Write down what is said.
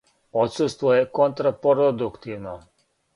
Одсуство је контрапродуктивно.